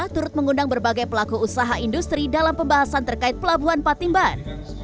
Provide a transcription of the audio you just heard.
turut mengundang berbagai pelaku usaha industri dalam pembahasan terkait pelabuhan patimban